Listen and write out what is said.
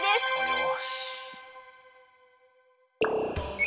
よし！